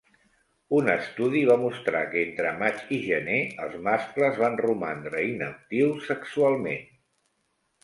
Un estudi va mostrar que entre maig i gener, els mascles van romandre inactius sexualment.